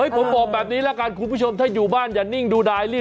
ผมบอกแบบนี้นี่แหละถ้าอยู่บ้านอย่านิ่งดูได้